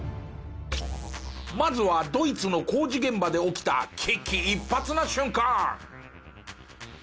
まずはドイツの工事現場で起きた危機一髪な瞬間！